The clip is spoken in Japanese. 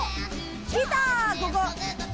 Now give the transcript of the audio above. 来たここ！